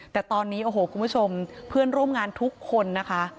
แต่ตอนนี้โอ้โหคุณผู้ชมเพื่อนร่วมงานทุกคนนะคะ